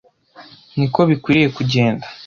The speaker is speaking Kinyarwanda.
Ni ko bikwiriye kugenda